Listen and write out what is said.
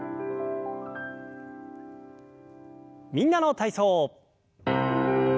「みんなの体操」。